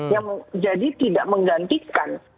yang jadi tidak menggantikan